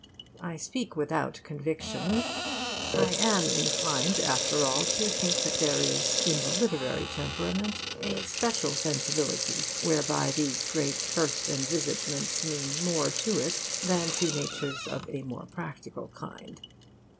I speak without conviction. I am inclined, after all, to think that there is in the literary temperament a special sensibility, whereby these great first envisagements mean more to it than to natures of a more practical kind.